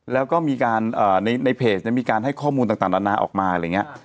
แล้วก็มีการในเพจมีการให้ข้อมูลต่างนานาออกมาอะไรอย่างนี้